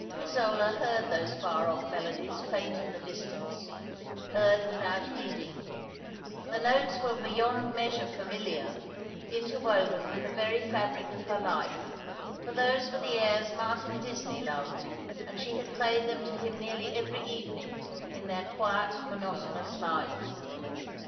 Isola heard those far off melodies faint in the distance — heard without heeding. The notes were beyond measure familiar, interwoven with the very fabric of her life, for those were the airs Martin Disney loved, and she had played them to him nearly every evening in their quiet, monotonous life.